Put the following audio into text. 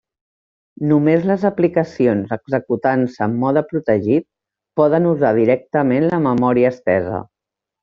Només les aplicacions executant-se en mode protegit poden usar directament la memòria estesa.